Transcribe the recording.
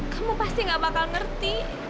kamu pasti gak bakal ngerti